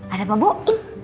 ada pak boim